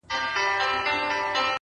هوښیار انسان د اورېدو فرصت نه بایلي.!